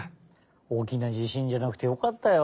おおきな地しんじゃなくてよかったよ。